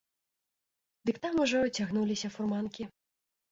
Дык там ужо цягнуліся фурманкі.